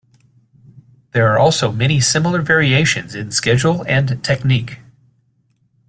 There are also many similar variations in schedule and technique.